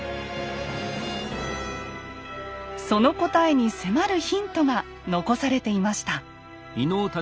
その答えに迫るヒントが残されていました。